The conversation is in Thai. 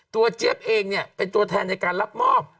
เจี๊ยบเองเนี่ยเป็นตัวแทนในการรับมอบ